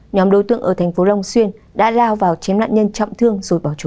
nhóm đối tượng ở thành phố long xuyên đã lao vào chiếm nạn nhân chậm thương rụt vào trốn